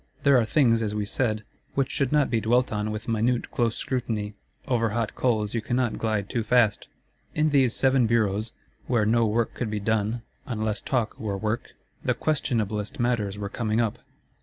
There are things, as we said, which should not be dwelt on with minute close scrutiny: over hot coals you cannot glide too fast. In these Seven Bureaus, where no work could be done, unless talk were work, the questionablest matters were coming up.